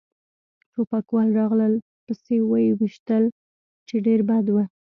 ټوپکوال راغلل پسې و يې ویشتل، چې ډېر بد و.